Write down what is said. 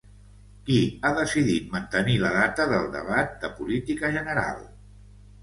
Qui ha decidit mantenir la data del debat de política general?